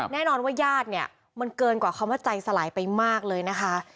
แน่นอนว่าญาติเนี่ยมันเกินกว่าคำว่าใจสลายไปมากเลยนะคะ